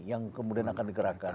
yang kemudian akan digerakkan